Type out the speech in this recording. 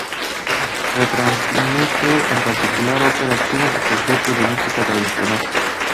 Retransmite, en particular, óperas chinas y conciertos de música tradicional.